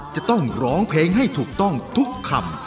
จะต้องร้องเพลงให้ถูกต้องทุกคำ